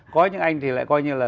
có những anh thì lại coi như là